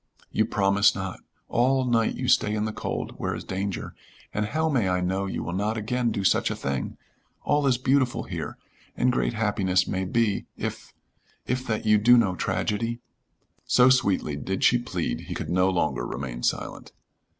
"You promise not? All night you stay in the cold, where is danger, and how may I know you will not again do such a thing? All is beautiful here, and great happiness may be if if that you do no tragedy." So sweetly did she plead he could no longer remain silent.